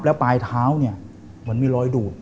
แล้วปลายเท้าเนี่ยเหมือนมีรอยดูด